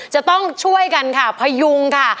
จะต้องช่วยกันค่ะพยุงค่ะ